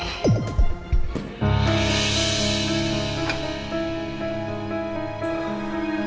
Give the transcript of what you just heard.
ini udah berakhir